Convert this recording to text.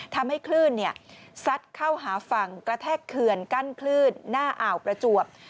ทำให้คลื่นซัดเข้าหาฝั่งกระแทกเขื่อนกั้นคลื่นหน้าอ่าวประจวบ